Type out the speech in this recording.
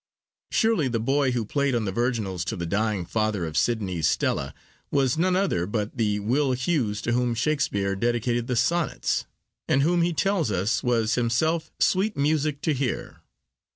Surely the boy who played on the virginals to the dying father of Sidney's Stella was none other but the Will Hews to whom Shakespeare dedicated the Sonnets, and who he tells us was himself sweet 'music to hear.